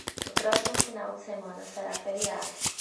No próximo final de semana será feriado.